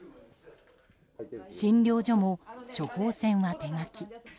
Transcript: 診療所も、処方箋は手書き。